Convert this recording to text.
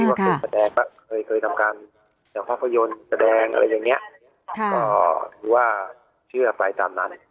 ตีวัคดิ์ตะแดงเคยทำการงามภาพยนตร์ตะแดงหรือว่าเชื่อฝ่ายตามนั้น